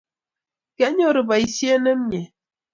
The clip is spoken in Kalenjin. kianyoru poishet nemie